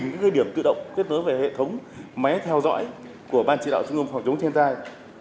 những điểm tự động kết nối về hệ thống máy theo dõi của ban chỉ đạo trung ương phòng chống thiên tai